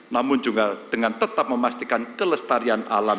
namun juga dengan tetap memastikan kekuasaan rakyat